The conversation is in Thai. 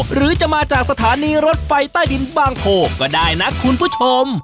หรือจะมาจากสถานีรถไฟใต้ดินบางโพก็ได้นะคุณผู้ชม